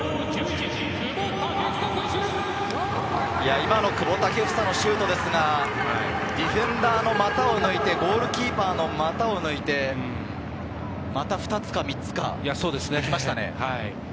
今の久保建英のシュートですが、ディフェンダーの股を抜いて、ゴールキーパーの股を抜いて、股を２つか３つ、抜きましたね。